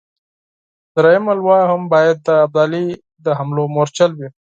درېمه لواء هم باید د ابدالي د حملو مورچل وي.